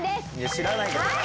知らないけどな。